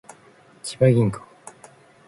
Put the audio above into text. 千葉銀行